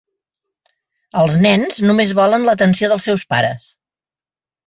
Els nens només volen l'atenció dels seus pares.